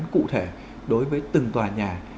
cụ thể đối với từng tòa nhà